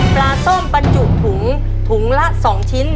ปลาส้มปันจุของถุงละ๒ชิ้น